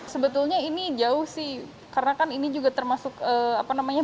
sebetulnya ini jauh sih karena kan ini juga termasuk apa namanya